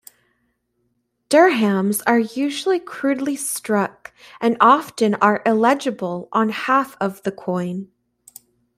Dirhams are usually crudely struck and often are illegible on half of the coin.